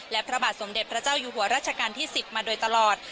และพระบาทสมเด็จพระเจ้าอยู่หัวรัชกาลที่๑๐มาโดยตลอด